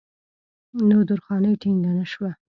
نو درخانۍ ټينګه نۀ شوه